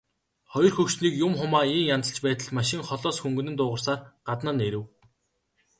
Хоёр хөгшнийг юм хумаа ийн янзалж байтал машин холоос хүнгэнэн дуугарсаар гадна нь ирэв.